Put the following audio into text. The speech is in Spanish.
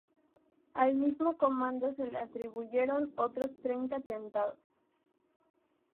Al mismo comando se le atribuyeron otros treinta atentados.